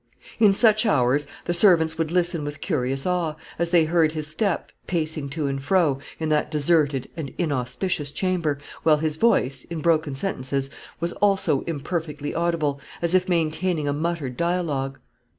In such hours, the servants would listen with curious awe, as they heard his step, pacing to and fro, in that deserted and inauspicious chamber, while his voice, in broken sentences, was also imperfectly audible, as if maintaining a muttered dialogue.